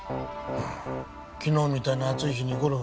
うーん昨日みたいな暑い日にゴルフねぇ。